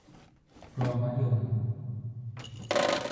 รอมะยม